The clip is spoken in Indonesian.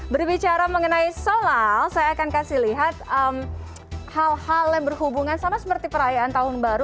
berbicara mengenai solal saya akan kasih lihat hal hal yang berhubungan sama seperti perayaan tahun baru